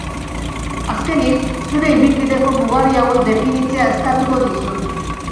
Azkenik, zure ibilbideko mugarri hauek definitzea eskatuko dizut.